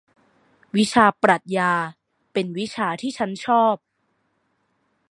วิชาปรัขญาเป็นวิชาที่ฉันชอบ